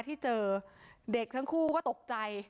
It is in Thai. ที่เจอเด็กทั้งคู่ก็ตกใจ